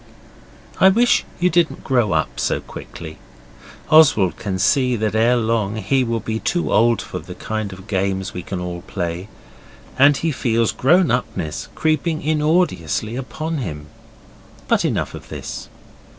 I wish you didn't grow up so quickly. Oswald can see that ere long he will be too old for the kind of games we can all play, and he feels grown upness creeping inordiously upon him. But enough of this.